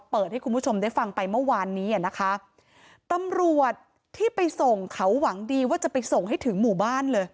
ให้คุณผู้ชมได้ฟังไปเมื่อวานนี้อ่ะนะคะตำรวจที่ไปส่งเขาหวังดีว่าจะไปส่งให้ถึงหมู่บ้านเลย